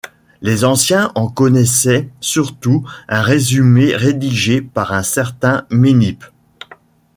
Les anciens en connaissaient surtout un résumé rédigé par un certain Ménippe.